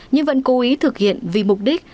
nhưng vẫn cố ý thực hiện vì mục đích